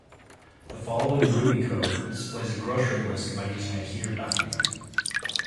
The following Ruby code displays a grocery list by using a here document.